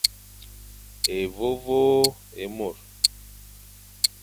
Évôvô é môr.